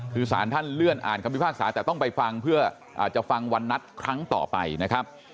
คือสารท่านเลื่อนอ่านคำพิพากษาแต่ต้องไปฟังเพื่ออาจจะฟังวันนัดครั้งต่อไปนะครับ